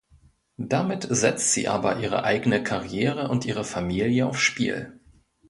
Damit setzt sie aber ihre eigene Karriere und ihre Familie aufs Spiel.